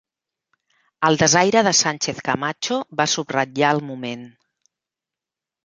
El desaire de Sánchez-Camacho va subratllar el moment.